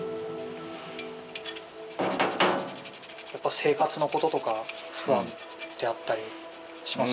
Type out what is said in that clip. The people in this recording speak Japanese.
生活のこととか不安ってあったりします？